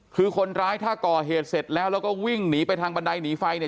คือคนร้ายถ้าก่อเหตุเสร็จแล้วแล้วก็วิ่งหนีไปทางบันไดหนีไฟเนี่ย